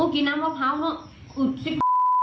กินน้ำมะพร้าวอึดจิ๊บ